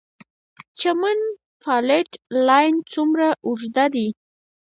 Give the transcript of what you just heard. چمن فالټ لاین څومره اوږد دی؟